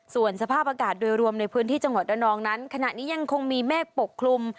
ส่วนสภาพอากาศโดยรวมในพื้นที่จังหวัดระนองนั้นขณะนี้ยังคงมีเมฆปกคลุม